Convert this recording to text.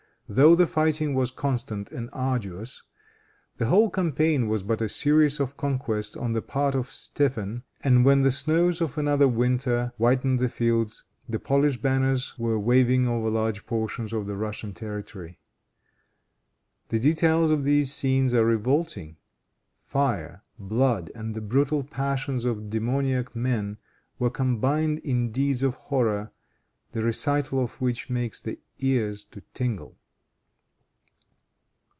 Though the fighting was constant and arduous, the whole campaign was but a series of conquests on the part of Stephen, and when the snows of another winter whitened the fields, the Polish banners were waving over large portions of the Russian territory. The details of these scenes are revolting. Fire, blood and the brutal passions of demoniac men were combined in deeds of horror, the recital of which makes the ears to tingle.